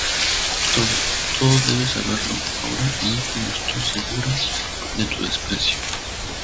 todo, todo debes saberlo ahora, aun cuando estoy segura de tu desprecio...